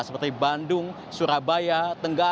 seperti bandung surabaya tenggara